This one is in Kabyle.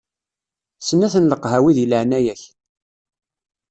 Snat n leqhawi di leɛnaya-k.